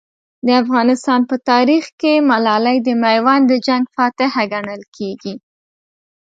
د افغانستان په تاریخ کې ملالۍ د میوند د جنګ فاتحه ګڼل کېږي.